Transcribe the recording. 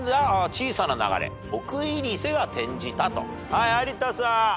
はい有田さん。